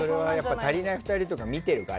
「たりないふたり」とか見てるから。